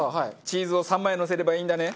チーズを３枚のせればいいんだね。